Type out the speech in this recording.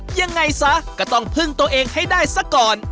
ยังไงซะก็ต้องพึ่งตัวเองให้ได้ซะก่อน